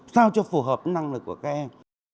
sao cho phù hợp năng lực của các em